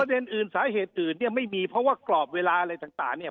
เด็นอื่นสาเหตุอื่นเนี่ยไม่มีเพราะว่ากรอบเวลาอะไรต่างเนี่ย